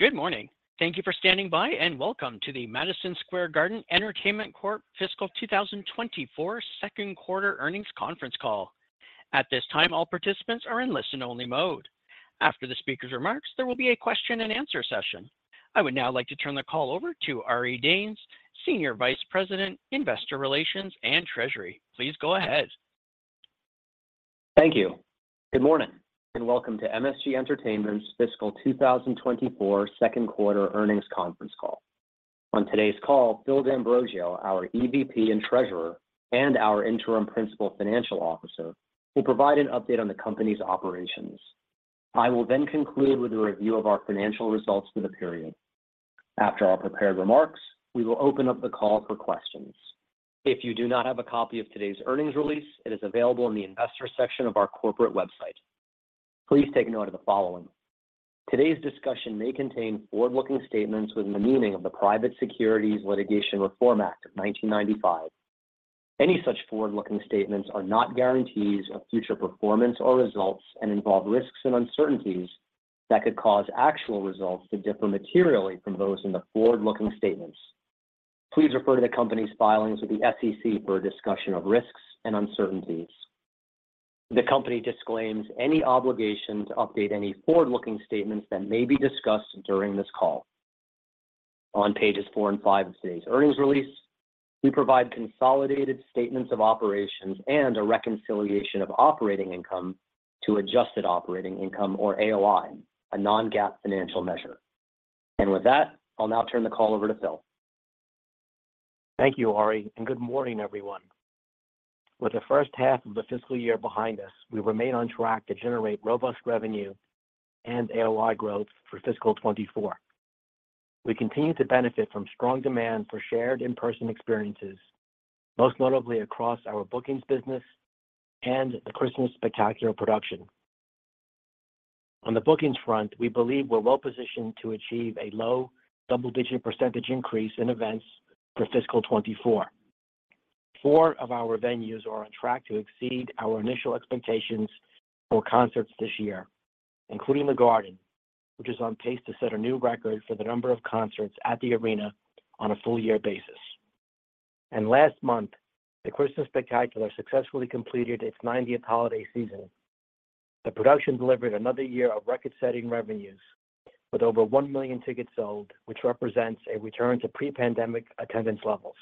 Good morning! Thank you for standing by, and welcome to the Madison Square Garden Entertainment Corp Fiscal 2024 Second Quarter Earnings Conference Call. At this time, all participants are in listen-only mode. After the speaker's remarks, there will be a question-and-answer session. I would now like to turn the call over to Ari Danes, Senior Vice President, Investor Relations and Treasury. Please go ahead. Thank you. Good morning, and welcome to MSG Entertainment's Fiscal 2024 Second Quarter Earnings Conference Call. On today's call, Philip D'Ambrosio, our EVP and Treasurer, and our interim Principal Financial Officer, will provide an update on the company's operations. I will then conclude with a review of our financial results for the period. After our prepared remarks, we will open up the call for questions. If you do not have a copy of today's earnings release, it is available in the investor section of our corporate website. Please take note of the following: Today's discussion may contain forward-looking statements within the meaning of the Private Securities Litigation Reform Act of 1995. Any such forward-looking statements are not guarantees of future performance or results and involve risks and uncertainties that could cause actual results to differ materially from those in the forward-looking statements. Please refer to the company's filings with the SEC for a discussion of risks and uncertainties. The company disclaims any obligation to update any forward-looking statements that may be discussed during this call. On pages four and five of today's earnings release, we provide consolidated statements of operations and a reconciliation of operating income to Adjusted Operating Income, or AOI, a non-GAAP financial measure. With that, I'll now turn the call over to Phil. Thank you, Ari, and good morning, everyone. With the first half of the fiscal year behind us, we remain on track to generate robust revenue and AOI growth for fiscal 2024. We continue to benefit from strong demand for shared in-person experiences, most notably across our bookings business and the Christmas Spectacular production. On the bookings front, we believe we're well positioned to achieve a low double-digit % increase in events for fiscal 2024. Four of our venues are on track to exceed our initial expectations for concerts this year, including The Garden, which is on pace to set a new record for the number of concerts at the arena on a full-year basis. Last month, the Christmas Spectacular successfully completed its 90th holiday season. The production delivered another year of record-setting revenues with over 1 million tickets sold, which represents a return to pre-pandemic attendance levels.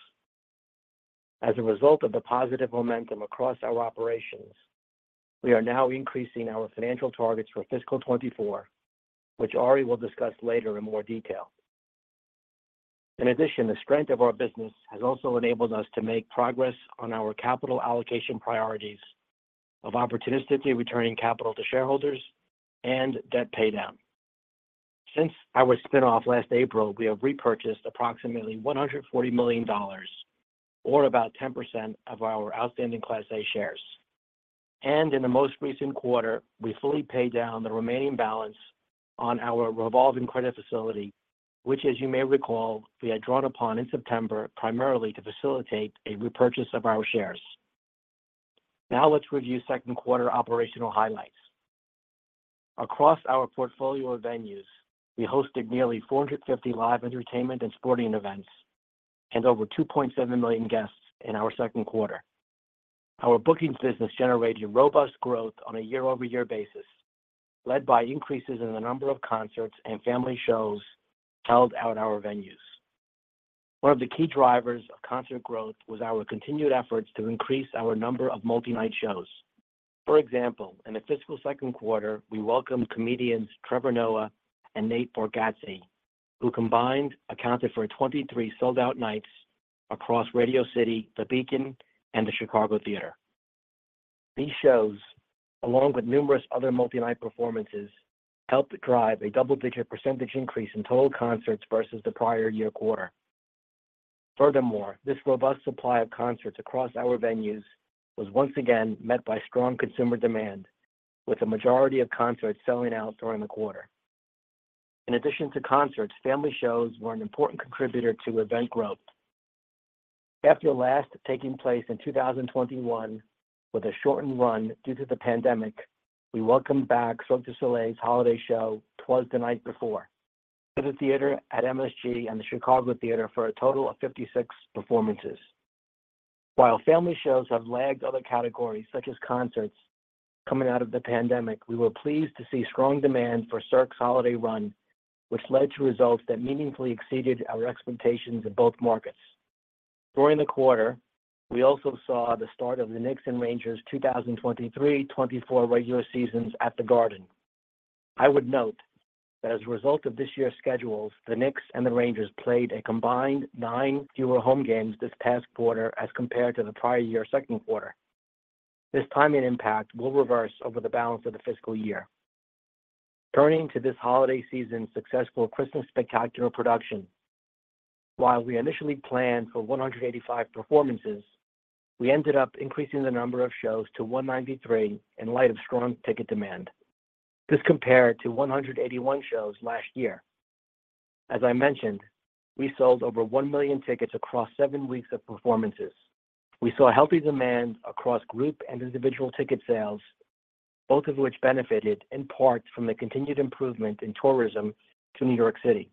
As a result of the positive momentum across our operations, we are now increasing our financial targets for fiscal 2024, which Ari will discuss later in more detail. In addition, the strength of our business has also enabled us to make progress on our capital allocation priorities of opportunistically returning capital to shareholders and debt paydown. Since our spin-off last April, we have repurchased approximately $140 million, or about 10% of our outstanding Class A shares. In the most recent quarter, we fully paid down the remaining balance on our revolving credit facility, which, as you may recall, we had drawn upon in September, primarily to facilitate a repurchase of our shares. Now, let's review second quarter operational highlights. Across our portfolio of venues, we hosted nearly 450 live entertainment and sporting events and over 2.7 million guests in our second quarter. Our bookings business generated robust growth on a year-over-year basis, led by increases in the number of concerts and family shows held at our venues. One of the key drivers of concert growth was our continued efforts to increase our number of multi-night shows. For example, in the fiscal second quarter, we welcomed comedians Trevor Noah and Nate Bargatze, who combined, accounted for 23 sold-out nights across Radio City, the Beacon, and the Chicago Theatre. These shows, along with numerous other multi-night performances, helped drive a double-digit percentage increase in total concerts versus the prior year quarter. Furthermore, this robust supply of concerts across our venues was once again met by strong consumer demand, with a majority of concerts selling out during the quarter. In addition to concerts, family shows were an important contributor to event growth. After last taking place in 2021, with a shortened run due to the pandemic, we welcomed back Cirque du Soleil's holiday show, 'Twas the Night Before, to the theater at MSG and the Chicago Theatre for a total of 56 performances. While family shows have lagged other categories, such as concerts, coming out of the pandemic, we were pleased to see strong demand for Cirque's holiday run, which led to results that meaningfully exceeded our expectations in both markets. During the quarter, we also saw the start of the Knicks' and Rangers' 2023-2024 regular seasons at the Garden. I would note that as a result of this year's schedules, the Knicks and the Rangers played a combined 9 fewer home games this past quarter as compared to the prior year's second quarter. This timing impact will reverse over the balance of the fiscal year. Turning to this holiday season's successful Christmas Spectacular production, while we initially planned for 185 performances, we ended up increasing the number of shows to 193 in light of strong ticket demand. This compared to 181 shows last year. As I mentioned, we sold over 1 million tickets across seven weeks of performances. We saw healthy demand across group and individual ticket sales, both of which benefited in part from the continued improvement in tourism to New York City.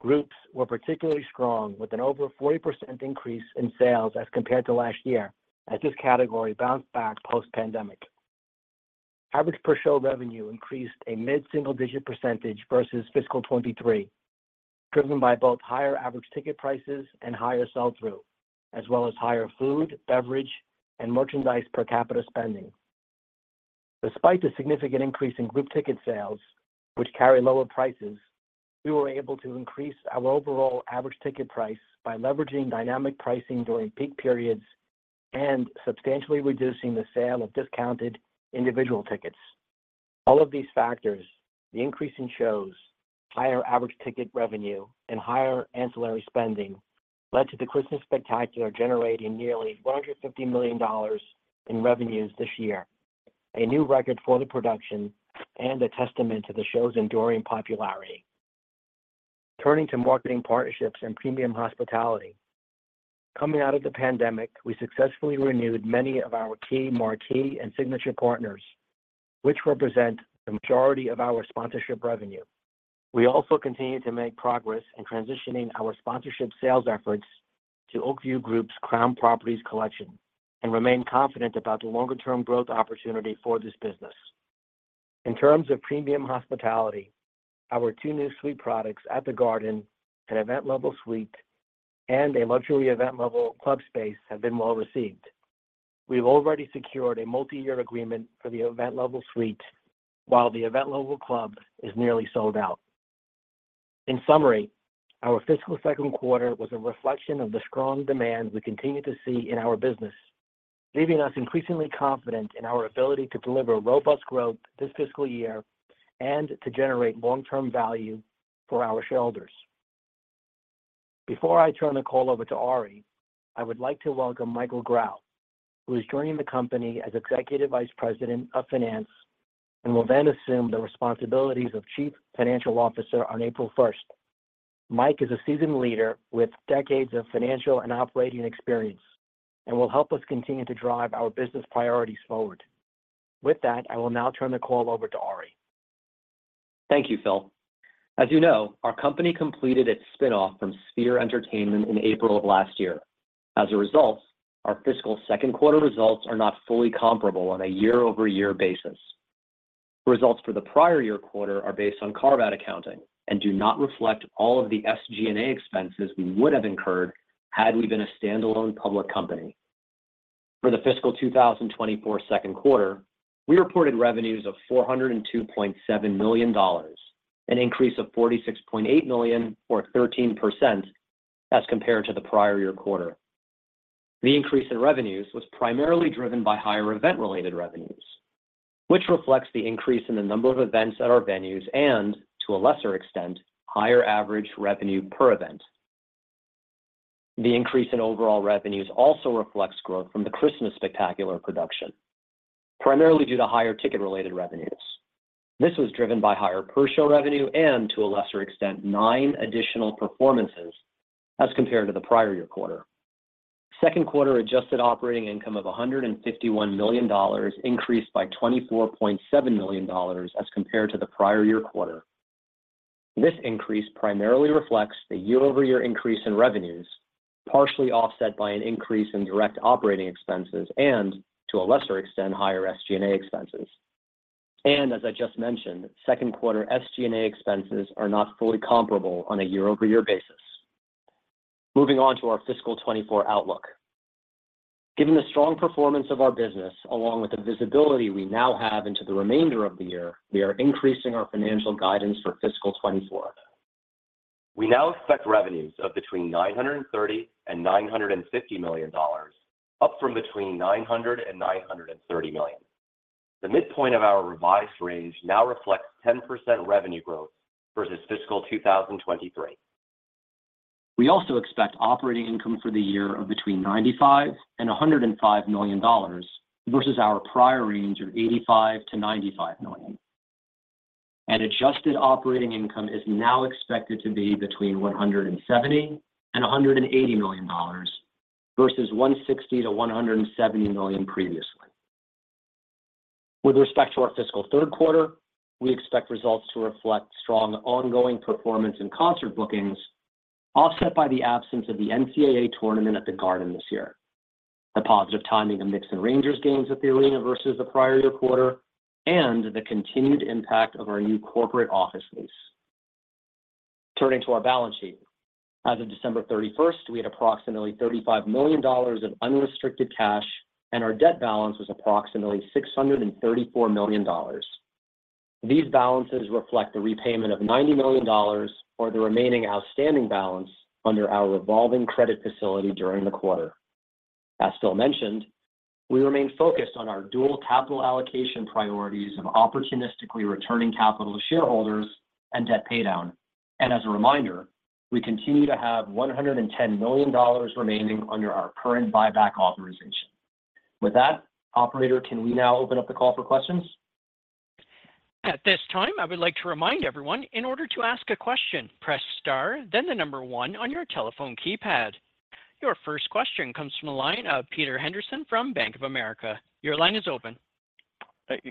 Groups were particularly strong, with an over 40% increase in sales as compared to last year, as this category bounced back post-pandemic. Average per-show revenue increased a mid-single-digit percent versus fiscal 2023, driven by both higher average ticket prices and higher sell-through, as well as higher food, beverage, and merchandise per capita spending. Despite the significant increase in group ticket sales, which carry lower prices, we were able to increase our overall average ticket price by leveraging dynamic pricing during peak periods and substantially reducing the sale of discounted individual tickets. All of these factors, the increase in shows, higher average ticket revenue, and higher ancillary spending, led to the Christmas Spectacular generating nearly $150 million in revenues this year, a new record for the production and a testament to the show's enduring popularity. Turning to marketing partnerships and premium hospitality. Coming out of the pandemic, we successfully renewed many of our key marquee and signature partners, which represent the majority of our sponsorship revenue. We also continued to make progress in transitioning our sponsorship sales efforts to Oak View Group's Crown Properties Collection and remain confident about the longer-term growth opportunity for this business. In terms of premium hospitality, our two new suite products at the Garden, an event-level suite and a luxury event-level club space, have been well-received. We've already secured a multi-year agreement for the event-level suite, while the event-level club is nearly sold out. In summary, our fiscal second quarter was a reflection of the strong demand we continue to see in our business, leaving us increasingly confident in our ability to deliver robust growth this fiscal year and to generate long-term value for our shareholders. Before I turn the call over to Ari, I would like to welcome Michael Grau, who is joining the company as Executive Vice President of Finance and will then assume the responsibilities of Chief Financial Officer on April first. Mike is a seasoned leader with decades of financial and operating experience and will help us continue to drive our business priorities forward. With that, I will now turn the call over to Ari. Thank you, Phil. As you know, our company completed its spin-off from Sphere Entertainment in April of last year. As a result, our fiscal second quarter results are not fully comparable on a year-over-year basis. Results for the prior year quarter are based on carve-out accounting and do not reflect all of the SG&A expenses we would have incurred had we been a standalone public company. For the fiscal 2024 second quarter, we reported revenues of $402.7 million, an increase of $46.8 million, or 13%, as compared to the prior year quarter. The increase in revenues was primarily driven by higher event-related revenues, which reflects the increase in the number of events at our venues and, to a lesser extent, higher average revenue per event. The increase in overall revenues also reflects growth from the Christmas Spectacular production, primarily due to higher ticket-related revenues. This was driven by higher per-show revenue and, to a lesser extent, nine additional performances as compared to the prior year quarter. Second quarter adjusted operating income of $151 million increased by $24.7 million as compared to the prior year quarter. This increase primarily reflects the year-over-year increase in revenues, partially offset by an increase in direct operating expenses and, to a lesser extent, higher SG&A expenses. And as I just mentioned, second quarter SG&A expenses are not fully comparable on a year-over-year basis. Moving on to our fiscal 2024 outlook. Given the strong performance of our business, along with the visibility we now have into the remainder of the year, we are increasing our financial guidance for fiscal 2024. We now expect revenues of between $930 million and $950 million, up from between $900 million and $930 million. The midpoint of our revised range now reflects 10% revenue growth versus fiscal 2023. We also expect operating income for the year of between $95 million and $105 million versus our prior range of $85-$95 million. Adjusted operating income is now expected to be between $170 million and $180 million versus $160-$170 million previously. With respect to our fiscal third quarter, we expect results to reflect strong ongoing performance in concert bookings, offset by the absence of the NCAA tournament at the Garden this year. The positive timing of Knicks and Rangers games at the arena versus the prior year quarter and the continued impact of our new corporate office lease. Turning to our balance sheet. As of December 31, we had approximately $35 million of unrestricted cash, and our debt balance was approximately $634 million. These balances reflect the repayment of $90 million or the remaining outstanding balance under our revolving credit facility during the quarter. As Phil mentioned, we remain focused on our dual capital allocation priorities of opportunistically returning capital to shareholders and debt paydown. And as a reminder, we continue to have $110 million remaining under our current buyback authorization. With that, operator, can we now open up the call for questions?... At this time, I would like to remind everyone, in order to ask a question, press star, then the number one on your telephone keypad. Your first question comes from the line of Peter Henderson from Bank of America. Your line is open.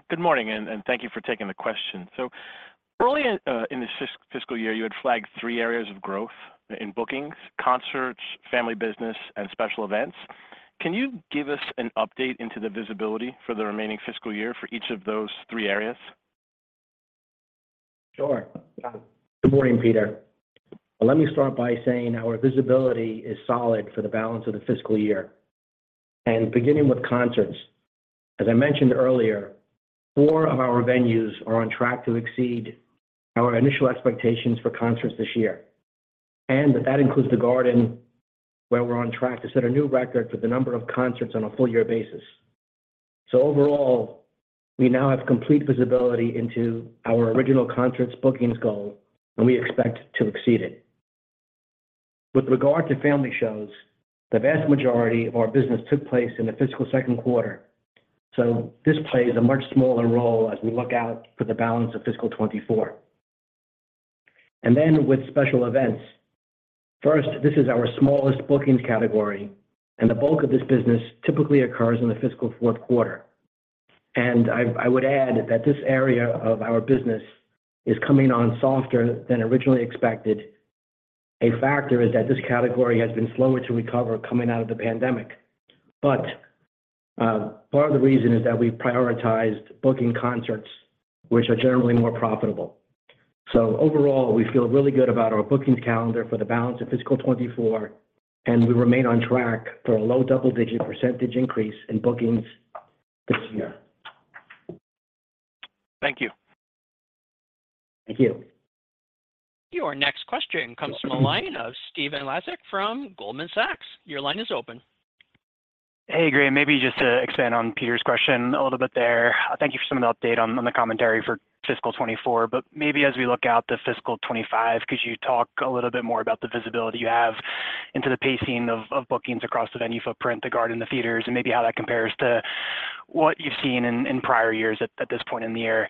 Good morning, and thank you for taking the question. So earlier, in this fiscal year, you had flagged three areas of growth in bookings: concerts, family business, and special events. Can you give us an update into the visibility for the remaining fiscal year for each of those three areas? Sure. Good morning, Peter. Let me start by saying our visibility is solid for the balance of the fiscal year. Beginning with concerts, as I mentioned earlier, four of our venues are on track to exceed our initial expectations for concerts this year. That includes The Garden, where we're on track to set a new record for the number of concerts on a full year basis. So overall, we now have complete visibility into our original concerts bookings goal, and we expect to exceed it. With regard to family shows, the vast majority of our business took place in the fiscal second quarter, so this plays a much smaller role as we look out for the balance of fiscal 2024. With special events, first, this is our smallest bookings category, and the bulk of this business typically occurs in the fiscal fourth quarter. I would add that this area of our business is coming on softer than originally expected. A factor is that this category has been slower to recover coming out of the pandemic. But, part of the reason is that we prioritized booking concerts, which are generally more profitable. Overall, we feel really good about our bookings calendar for the balance of fiscal 2024, and we remain on track for a low double-digit % increase in bookings this year. Thank you. Thank you. Your next question comes from the line of Stephen Laszlo from Goldman Sachs. Your line is open. Hey, Graham, maybe just to expand on Peter's question a little bit there. Thank you for some of the update on the commentary for fiscal 2024, but maybe as we look out to fiscal 2025, could you talk a little bit more about the visibility you have into the pacing of bookings across the venue footprint, the Garden and the theaters, and maybe how that compares to what you've seen in prior years at this point in the year?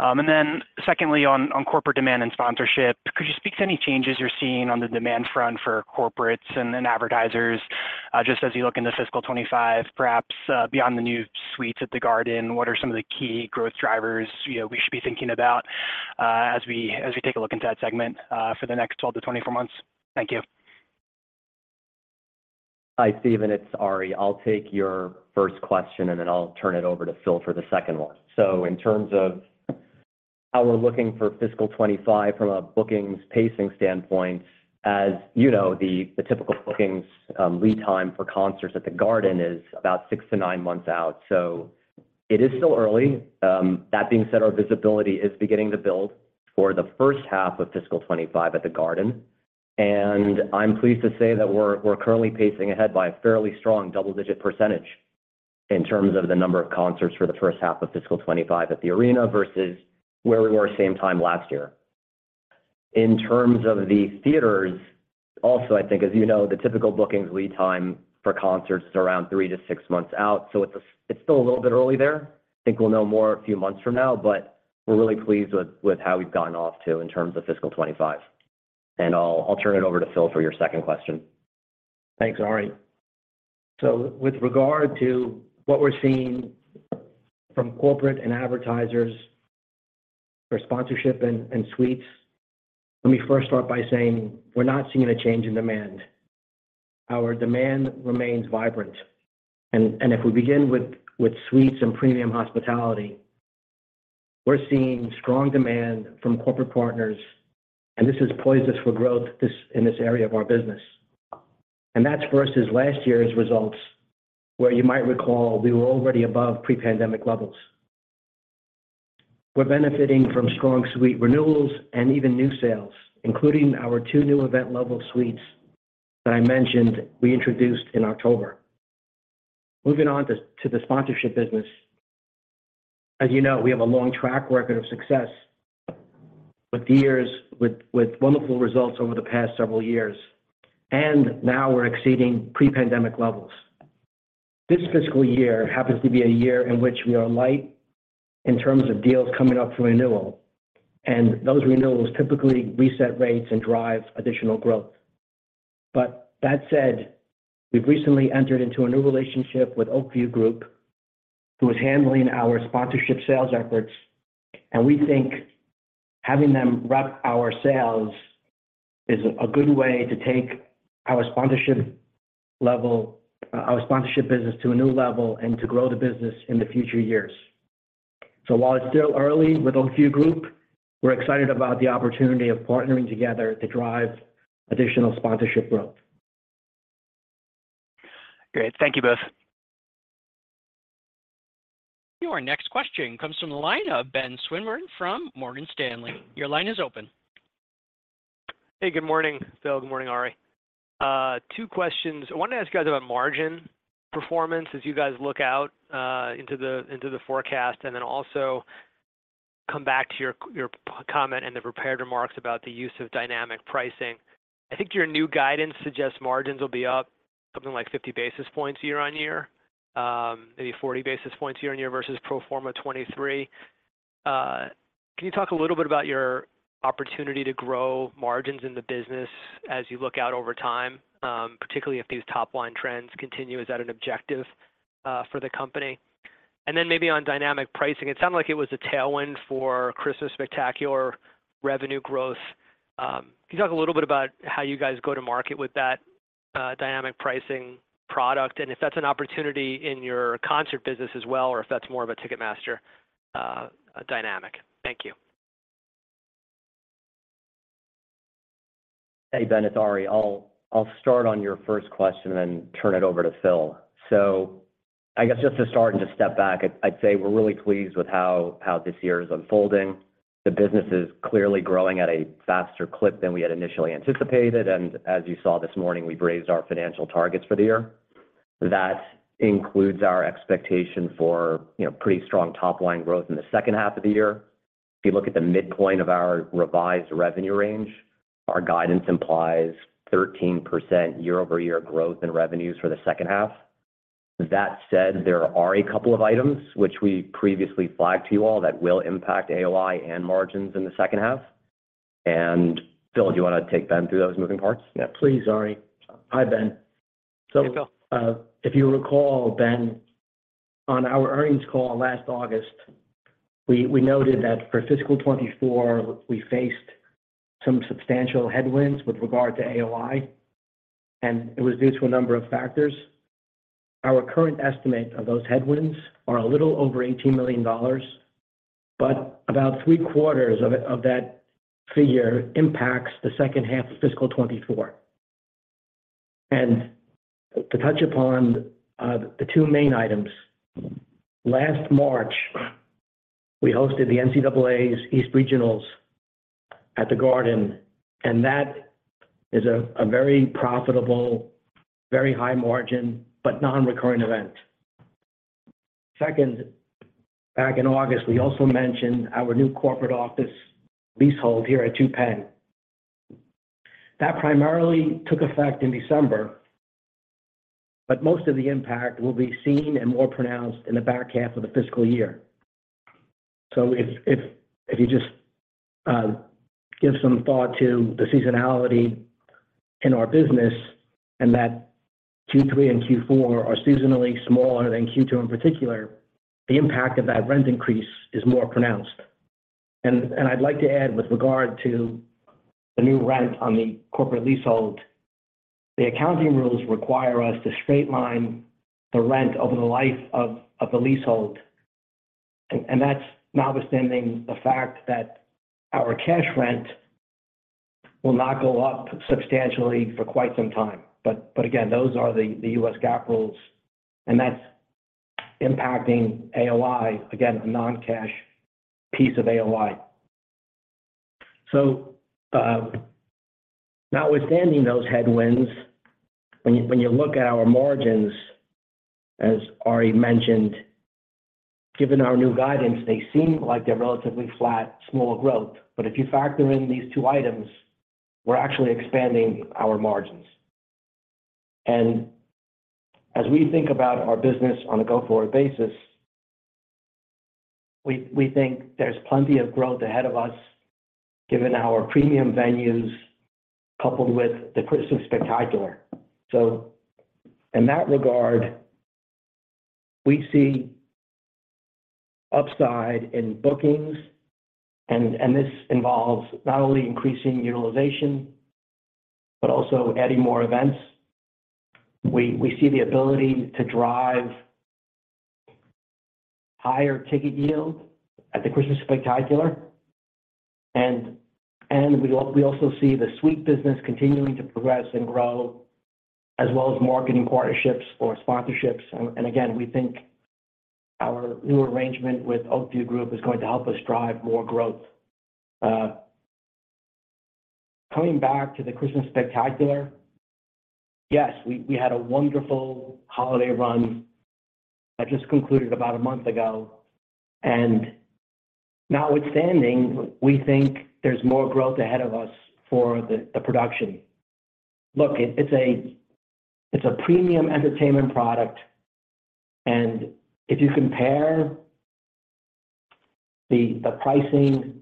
And then secondly, on corporate demand and sponsorship, could you speak to any changes you're seeing on the demand front for corporates and advertisers, just as you look into fiscal 2025, perhaps, beyond the new suites at The Garden, what are some of the key growth drivers, you know, we should be thinking about, as we take a look into that segment, for the next 12-24 months? Thank you. Hi, Stephen, it's Ari. I'll take your first question, and then I'll turn it over to Phil for the second one. In terms of how we're looking for fiscal 2025 from a bookings pacing standpoint, as you know, the typical bookings lead time for concerts at The Garden is about 6-9 months out, so it is still early. That being said, our visibility is beginning to build for the first half of fiscal 2025 at The Garden. And I'm pleased to say that we're currently pacing ahead by a fairly strong double-digit % in terms of the number of concerts for the first half of fiscal 2025 at the arena versus where we were same time last year. In terms of the theaters, also, I think, as you know, the typical bookings lead time for concerts is around 3-6 months out, so it's still a little bit early there. I think we'll know more a few months from now, but we're really pleased with how we've gotten off to in terms of fiscal 2025. I'll turn it over to Phil for your second question. Thanks, Ari. So with regard to what we're seeing from corporate and advertisers for sponsorship and suites, let me first start by saying we're not seeing a change in demand. Our demand remains vibrant. And if we begin with suites and premium hospitality, we're seeing strong demand from corporate partners, and this has poised us for growth in this area of our business. And that's versus last year's results, where you might recall we were already above pre-pandemic levels. We're benefiting from strong suite renewals and even new sales, including our two new event-level suites that I mentioned we introduced in October. Moving on to the sponsorship business. As you know, we have a long track record of success, with years with wonderful results over the past several years, and now we're exceeding pre-pandemic levels. This fiscal year happens to be a year in which we are light in terms of deals coming up for renewal, and those renewals typically reset rates and drive additional growth. But that said, we've recently entered into a new relationship with Oak View Group, who is handling our sponsorship sales efforts, and we think having them rep our sales is a good way to take our sponsorship level, our sponsorship business to a new level and to grow the business in the future years. So while it's still early with Oak View Group, we're excited about the opportunity of partnering together to drive additional sponsorship growth. Great. Thank you both. Your next question comes from the line of Ben Swinburne from Morgan Stanley. Your line is open. Hey, good morning, Phil, good morning, Ari. Two questions. I wanted to ask you guys about margin performance as you guys look out into the forecast, and then also come back to your comment and the prepared remarks about the use of dynamic pricing. I think your new guidance suggests margins will be up.... something like 50 basis points year-on-year, maybe 40 basis points year-on-year versus pro forma 2023. Can you talk a little bit about your opportunity to grow margins in the business as you look out over time, particularly if these top line trends continue? Is that an objective for the company? And then maybe on dynamic pricing, it sounded like it was a tailwind for Christmas Spectacular revenue growth. Can you talk a little bit about how you guys go to market with that dynamic pricing product, and if that's an opportunity in your concert business as well, or if that's more of a Ticketmaster dynamic? Thank you. Hey, Ben, it's Ari. I'll start on your first question and then turn it over to Phil. So I guess just to start and to step back, I'd say we're really pleased with how this year is unfolding. The business is clearly growing at a faster clip than we had initially anticipated, and as you saw this morning, we've raised our financial targets for the year. That includes our expectation for, you know, pretty strong top line growth in the second half of the year. If you look at the midpoint of our revised revenue range, our guidance implies 13% year-over-year growth in revenues for the second half. That said, there are a couple of items which we previously flagged to you all that will impact AOI and margins in the second half. And Phil, do you want to take Ben through those moving parts? Yeah, please, Ari. Hi, Ben. Hey, Phil. So, if you recall, Ben, on our earnings call last August, we noted that for fiscal 2024, we faced some substantial headwinds with regard to AOI, and it was due to a number of factors. Our current estimate of those headwinds are a little over $18 million, but about three quarters of that figure impacts the second half of fiscal 2024. To touch upon the two main items. Last March, we hosted the NCAA's East Regionals at the Garden, and that is a very profitable, very high margin, but non-recurring event. Second, back in August, we also mentioned our new corporate office leasehold here at Two Penn. That primarily took effect in December, but most of the impact will be seen and more pronounced in the back half of the fiscal year. So if you just give some thought to the seasonality in our business, and that Q3 and Q4 are seasonally smaller than Q2 in particular, the impact of that rent increase is more pronounced. And I'd like to add, with regard to the new rent on the corporate leasehold, the accounting rules require us to straight line the rent over the life of the leasehold, and that's notwithstanding the fact that our cash rent will not go up substantially for quite some time. But again, those are the U.S. GAAP rules, and that's impacting AOI. Again, a non-cash piece of AOI. So notwithstanding those headwinds, when you look at our margins, as Ari mentioned, given our new guidance, they seem like they're relatively flat, small growth. But if you factor in these two items, we're actually expanding our margins. As we think about our business on a go-forward basis, we, we think there's plenty of growth ahead of us, given our premium venues, coupled with the Christmas Spectacular. So in that regard, we see upside in bookings, and, and this involves not only increasing utilization, but also adding more events. We, we see the ability to drive higher ticket yield at the Christmas Spectacular, and, and we also see the suite business continuing to progress and grow, as well as marketing partnerships or sponsorships. And, and again, we think our new arrangement with Oak View Group is going to help us drive more growth. Coming back to the Christmas Spectacular, yes, we, we had a wonderful holiday run that just concluded about a month ago, and notwithstanding, we think there's more growth ahead of us for the, the production. Look, it's a premium entertainment product, and if you compare the pricing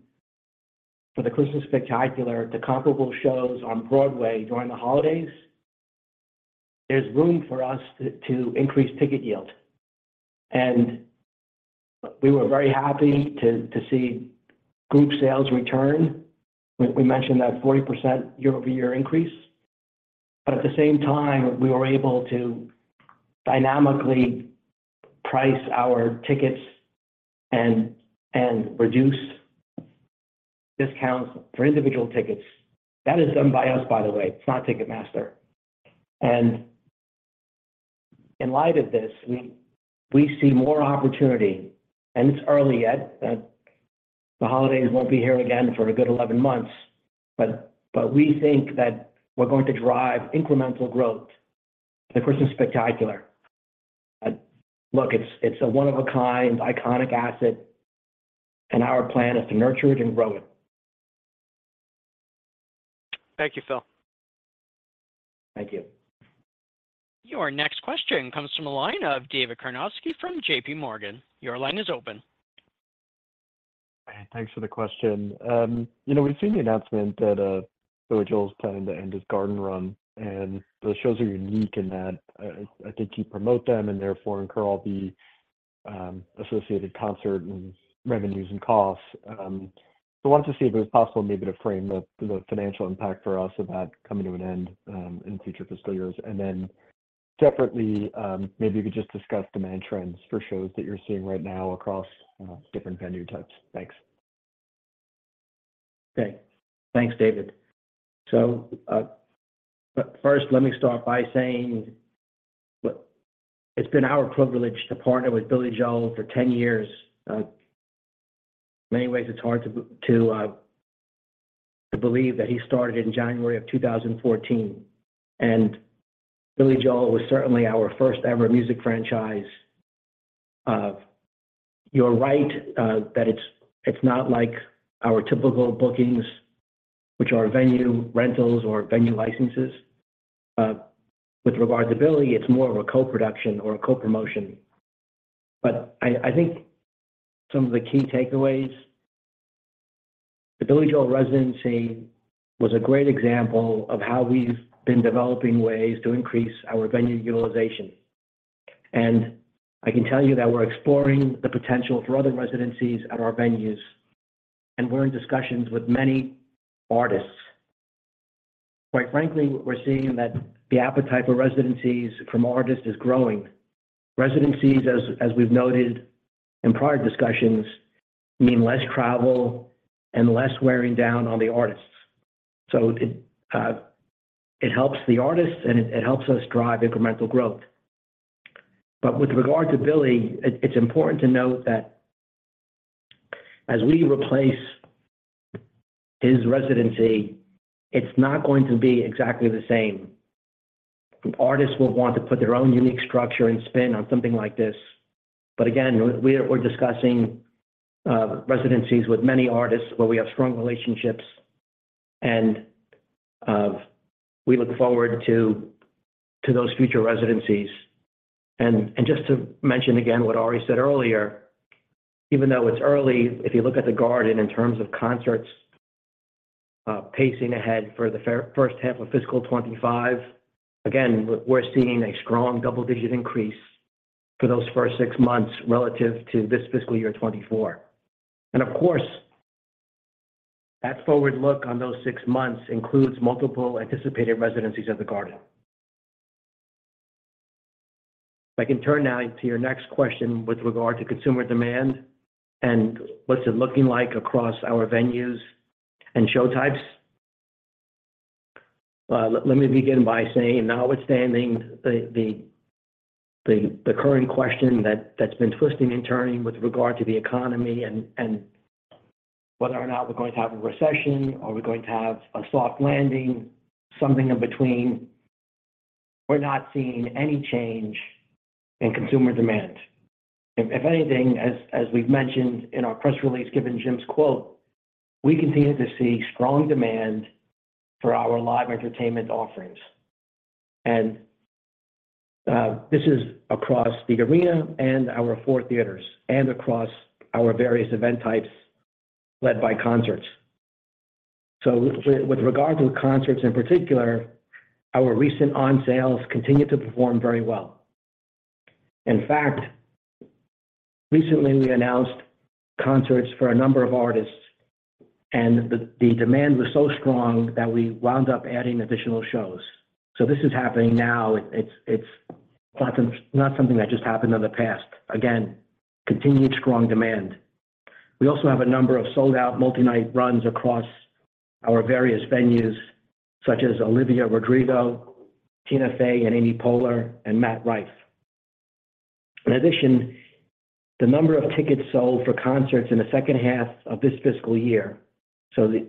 for the Christmas Spectacular to comparable shows on Broadway during the holidays, there's room for us to increase ticket yield. And we were very happy to see group sales return. We mentioned that 40% year-over-year increase. But at the same time, we were able to dynamically price our tickets and reduce discounts for individual tickets. That is done by us, by the way, it's not Ticketmaster. And in light of this, we see more opportunity, and it's early yet. The holidays won't be here again for a good 11 months, but we think that we're going to drive incremental growth for the Christmas Spectacular. Look, it's a one of a kind, iconic asset, and our plan is to nurture it and grow it.... Thank you, Phil. Thank you. Your next question comes from the line of David Karnofsky from JPMorgan. Your line is open. Thanks for the question. You know, we've seen the announcement that, Billy Joel is planning to end his Garden run, and those shows are unique in that, I think you promote them and therefore incur all the, associated concert and revenues and costs. So I wanted to see if it was possible maybe to frame the financial impact for us of that coming to an end, in future fiscal years. And then separately, maybe you could just discuss demand trends for shows that you're seeing right now across, different venue types. Thanks. Okay. Thanks, David. So, but first, let me start by saying, well, it's been our privilege to partner with Billy Joel for 10 years. In many ways, it's hard to believe that he started in January 2014, and Billy Joel was certainly our first-ever music franchise. You're right, that it's not like our typical bookings, which are venue rentals or venue licenses. With regard to Billy, it's more of a co-production or a co-promotion. But I think some of the key takeaways, the Billy Joel residency was a great example of how we've been developing ways to increase our venue utilization. And I can tell you that we're exploring the potential for other residencies at our venues, and we're in discussions with many artists. Quite frankly, we're seeing that the appetite for residencies from artists is growing. Residencies, as we've noted in prior discussions, mean less travel and less wearing down on the artists. So it helps the artists, and it helps us drive incremental growth. But with regard to Billy, it's important to note that as we replace his residency, it's not going to be exactly the same. Artists will want to put their own unique structure and spin on something like this. But again, we're discussing residencies with many artists where we have strong relationships, and we look forward to those future residencies. Just to mention again what Ari said earlier, even though it's early, if you look at the Garden in terms of concerts, pacing ahead for the first half of fiscal 2025, again, we're seeing a strong double-digit increase for those first six months relative to this fiscal year 2024. And of course, that forward look on those six months includes multiple anticipated residencies at the Garden. If I can turn now to your next question with regard to consumer demand and what's it looking like across our venues and show types. Let me begin by saying, notwithstanding the current question that's been twisting and turning with regard to the economy and whether or not we're going to have a recession, or we're going to have a soft landing, something in between, we're not seeing any change in consumer demand. If anything, as we've mentioned in our press release, given Jim's quote, we continue to see strong demand for our live entertainment offerings. And this is across the arena and our four theaters, and across our various event types, led by concerts. So with regard to concerts in particular, our recent on sales continued to perform very well. In fact, recently we announced concerts for a number of artists, and the demand was so strong that we wound up adding additional shows. So this is happening now. It's not something that just happened in the past. Again, continued strong demand. We also have a number of sold-out multi-night runs across our various venues, such as Olivia Rodrigo, Tina Fey and Amy Poehler, and Matt Rife. In addition, the number of tickets sold for concerts in the second half of this fiscal year, so the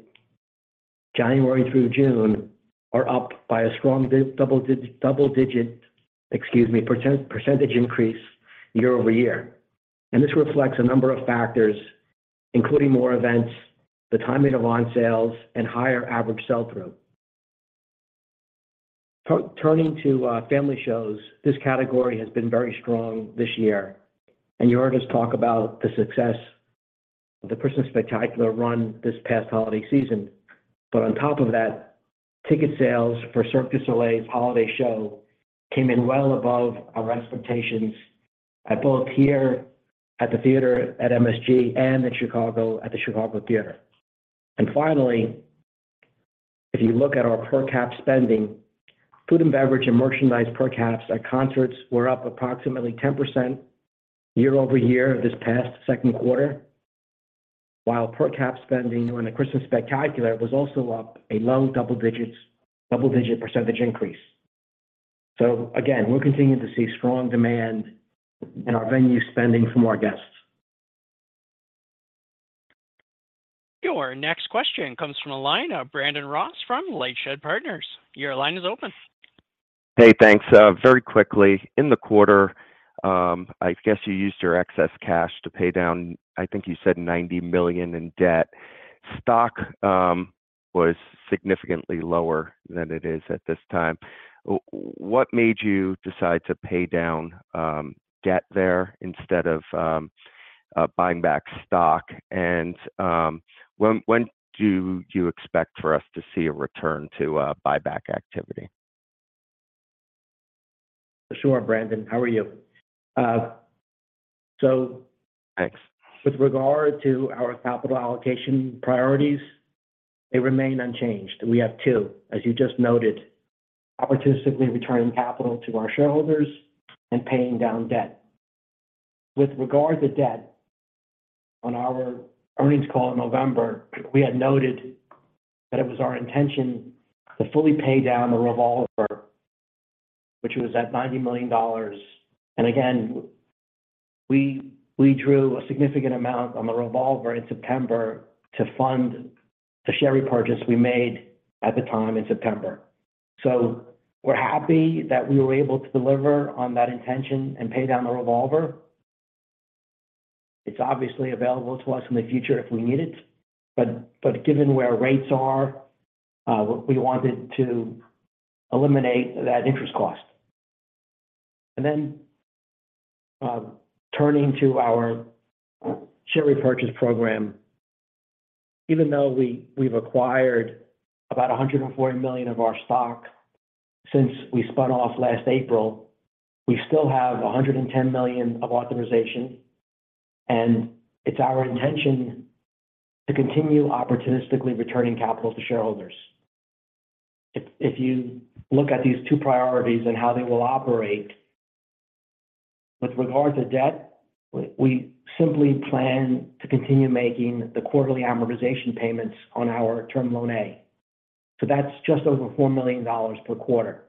January through June, are up by a strong double-digit percentage increase year-over-year. And this reflects a number of factors, including more events, the timing of on sales, and higher average sell-through. Turning to family shows, this category has been very strong this year, and you heard us talk about the success of the Christmas Spectacular run this past holiday season. But on top of that, ticket sales for Cirque du Soleil's holiday show came in well above our expectations at both here at the Theater at MSG and in Chicago, at the Chicago Theater. And finally, if you look at our per cap spending, food and beverage and merchandise per caps at concerts were up approximately 10% year-over-year this past second quarter, while per cap spending on the Christmas Spectacular was also up a low double digits, double-digit percentage increase. So again, we're continuing to see strong demand in our venue spending from our guests. Your next question comes from the line of Brandon Ross from Lightshed Partners. Your line is open.... Hey, thanks. Very quickly, in the quarter, I guess you used your excess cash to pay down, I think you said $90 million in debt. Stock was significantly lower than it is at this time. What made you decide to pay down debt there instead of buying back stock? And when do you expect for us to see a return to buyback activity? Sure, Brandon. How are you? Thanks... With regard to our capital allocation priorities, they remain unchanged. We have two, as you just noted, opportunistically returning capital to our shareholders and paying down debt. With regard to debt, on our earnings call in November, we had noted that it was our intention to fully pay down the revolver, which was at $90 million. And again, we drew a significant amount on the revolver in September to fund the share repurchase we made at the time in September. So we're happy that we were able to deliver on that intention and pay down the revolver. It's obviously available to us in the future if we need it, but given where rates are, we wanted to eliminate that interest cost. Then, turning to our share repurchase program, even though we've acquired about $140 million of our stock since we spun off last April, we still have $110 million of authorization, and it's our intention to continue opportunistically returning capital to shareholders. If you look at these two priorities and how they will operate, with regard to debt, we simply plan to continue making the quarterly amortization payments on our Term Loan A. So that's just over $4 million per quarter.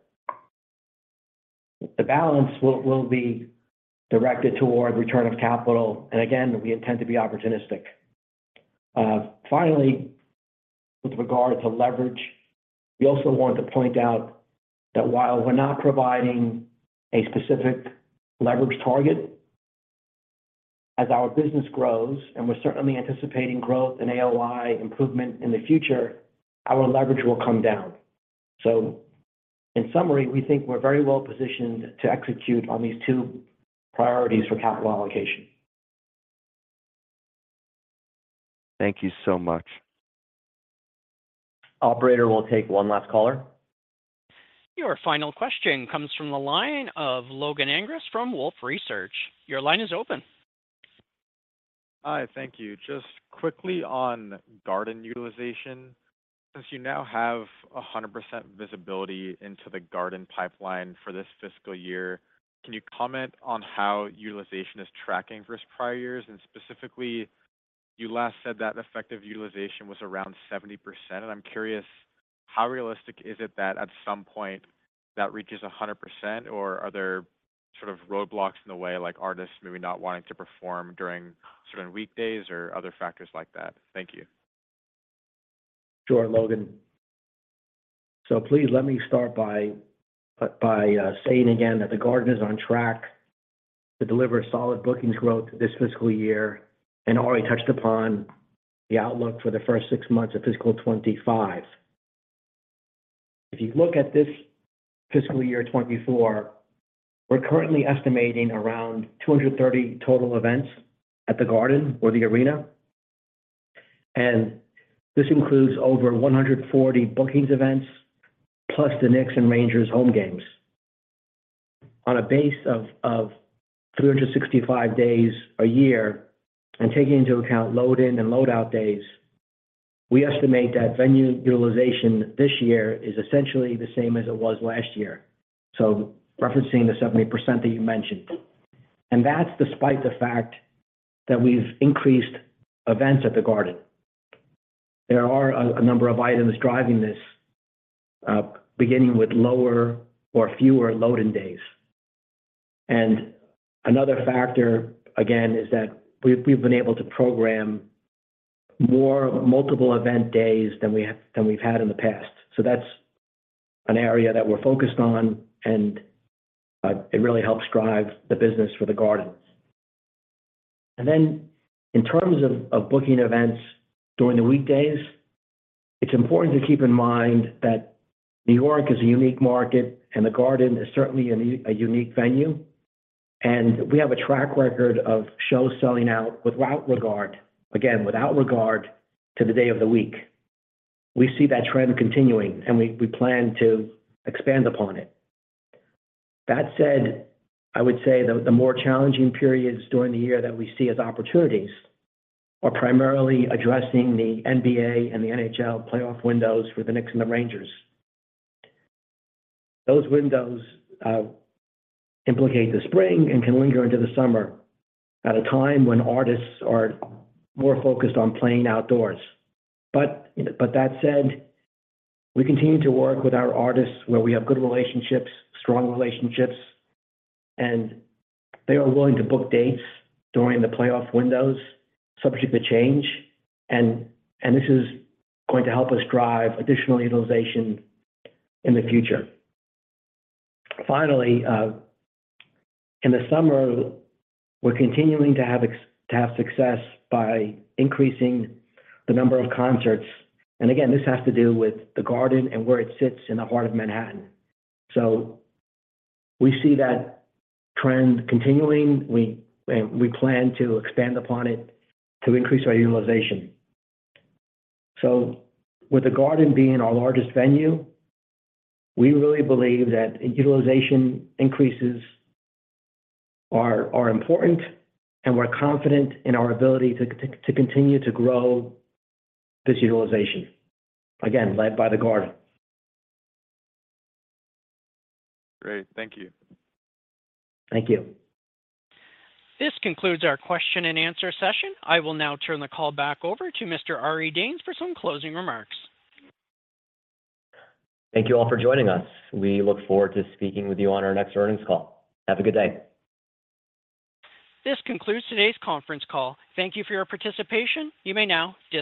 The balance will be directed toward return of capital, and again, we intend to be opportunistic. Finally, with regard to leverage, we also want to point out that while we're not providing a specific leverage target, as our business grows, and we're certainly anticipating growth in AOI improvement in the future, our leverage will come down. In summary, we think we're very well-positioned to execute on these two priorities for capital allocation. Thank you so much. Operator, we'll take one last caller. Your final question comes from the line of Logan Angress from Wolfe Research. Your line is open. Hi, thank you. Just quickly on Garden utilization. Since you now have 100% visibility into the Garden pipeline for this fiscal year, can you comment on how utilization is tracking versus prior years? And specifically, you last said that effective utilization was around 70%, and I'm curious, how realistic is it that at some point that reaches 100%, or are there sort of roadblocks in the way, like artists maybe not wanting to perform during certain weekdays or other factors like that? Thank you. Sure, Logan. So please let me start by saying again that the Garden is on track to deliver solid bookings growth this fiscal year, and Ari touched upon the outlook for the first six months of fiscal 2025. If you look at this fiscal year 2024, we're currently estimating around 230 total events at the Garden or the arena, and this includes over 140 bookings events, plus the Knicks and Rangers' home games. On a base of 365 days a year, and taking into account load-in and load-out days, we estimate that venue utilization this year is essentially the same as it was last year. So referencing the 70% that you mentioned. And that's despite the fact that we've increased events at the Garden. There are a number of items driving this, beginning with lower or fewer load-in days. Another factor, again, is that we've been able to program more multiple event days than we've had in the past. That's an area that we're focused on, and it really helps drive the business for the Garden. In terms of booking events during the weekdays, it's important to keep in mind that New York is a unique market, and the Garden is certainly a unique venue, and we have a track record of shows selling out without regard, again, without regard to the day of the week. We see that trend continuing, and we plan to expand upon it. That said, I would say the more challenging periods during the year that we see as opportunities are primarily addressing the NBA and the NHL playoff windows for the Knicks and the Rangers. Those windows implicate the spring and can linger into the summer at a time when artists are more focused on playing outdoors. But that said, we continue to work with our artists where we have good relationships, strong relationships, and they are willing to book dates during the playoff windows, subject to change, and this is going to help us drive additional utilization in the future. Finally, in the summer, we're continuing to have success by increasing the number of concerts. And again, this has to do with the Garden and where it sits in the heart of Manhattan. So we see that trend continuing. We, and we plan to expand upon it to increase our utilization. So with the Garden being our largest venue, we really believe that utilization increases are important, and we're confident in our ability to continue to grow this utilization. Again, led by the Garden. Great. Thank you. Thank you. This concludes our question-and-answer session. I will now turn the call back over to Mr. Ari Danes for some closing remarks. Thank you all for joining us. We look forward to speaking with you on our next earnings call. Have a good day. This concludes today's conference call. Thank you for your participation. You may now disconnect.